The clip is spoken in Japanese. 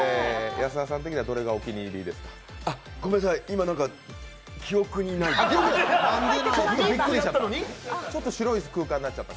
安田さん的にはどれがお気に入りでした？